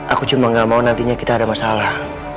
aku cuma gak mau nantinya kita ada masalah